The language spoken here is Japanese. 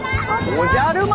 おじゃる丸？